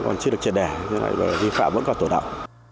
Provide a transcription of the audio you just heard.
còn chưa được trả đẻ do vậy vi phạm vẫn còn tổ đạo